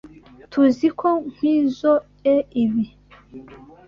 Tuziko nkwizoe ibi.